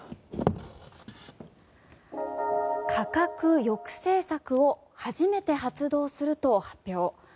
価格抑制策を初めて発動すると発表。